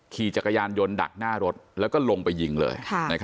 ขี่จักรยานยนต์ดักหน้ารถแล้วก็ลงไปยิงเลย